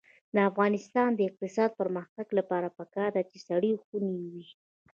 د افغانستان د اقتصادي پرمختګ لپاره پکار ده چې سړې خونې وي.